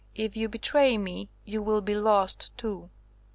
If you betray me, you will be lost too."